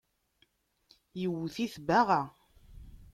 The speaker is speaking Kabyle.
Iwwet-it baɣa.